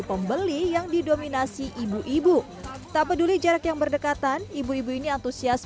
pembeli yang didominasi ibu ibu tak peduli jarak yang berdekatan ibu ibu ini antusias